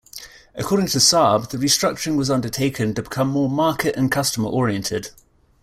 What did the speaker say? According to Saab the restructuring was undertaken to become more market and customer oriented.